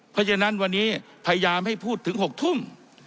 เพราะฉะนั้นวันนี้พยายามให้พูดถึง๖ทุ่ม